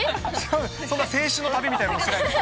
そんな青春の旅みたいなことしないです。